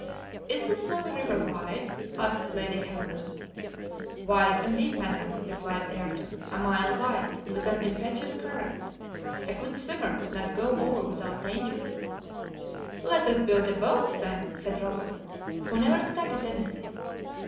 "Is this Snowy River wide?" asked Lady Helena. "Wide and deep, Madam," replied Ayrton; "a mile wide, with an impetuous current. A good swimmer could not go over without danger." "Let us build a boat then," said Robert, who never stuck at anything.